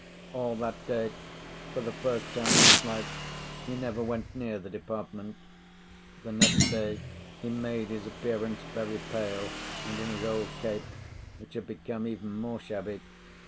All that day, for the first time in his life, he never went near the department. The next day he made his appearance, very pale, and in his old cape, which had become even more shabby.